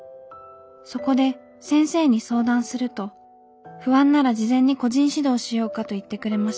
そこで先生に相談すると不安なら事前に個人指導しようかといってくれました。